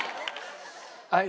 はい。